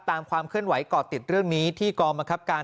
ความเคลื่อนไหวก่อติดเรื่องนี้ที่กองบังคับการ